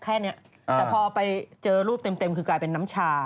แค่นี้แต่พอไปเจอรูปเต็มคือกลายเป็นน้ำชา